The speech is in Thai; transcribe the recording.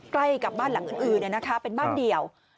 ใกล้กับบ้านหลังอื่นเป็นบ้านเดียว